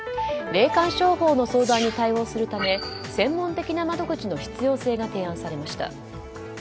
霊感商法の相談に対応するため専門的な窓口の必要性が提案されました。